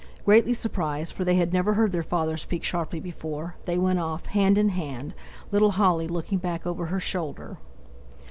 Greatly surprised, for they had never heard their father speak sharply before, they went off, hand in hand, little Holly looking back over her shoulder.